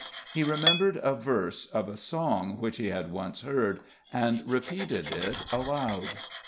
He remembered a verse of a song which he had once heard, and repeated it aloud.